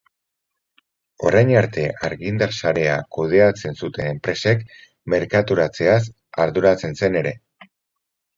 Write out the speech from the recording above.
Orain arte argindar sarea kudeatzen zuten enpresek merkaturatzeaz arduratzen zen ere.